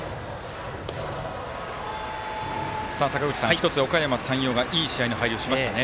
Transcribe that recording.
１つ、おかやま山陽がいい試合の入りをしましたよね。